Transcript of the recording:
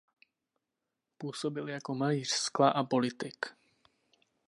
Působil jako malíř skla a politik.